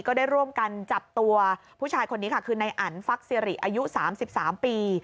ก็ได้ร่วมกันจับตัวผู้ชายคนนี้ค่ะคือในอันฟักซิริอายุ๓๓ปี